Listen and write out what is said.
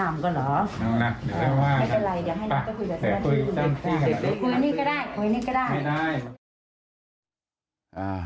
ไม่ได้